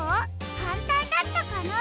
かんたんだったかな？